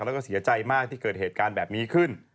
แล้วก็เสียใจมากที่เกิดเหตุการณ์แบบนี้ขึ้น